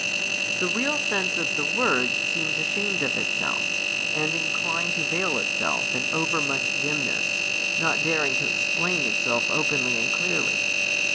The real sense of the words seems ashamed of itself, and inclined to veil itself in overmuch dimness, not daring to explain itself openly and clearly.